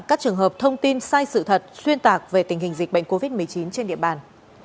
các trường hợp thông tin sai sự thật xuyên tạc về tình hình dịch bệnh covid một mươi chín trên địa bàn